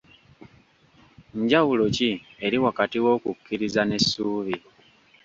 Njawulo ki eri wakati w'okukkiriza n'essuubi?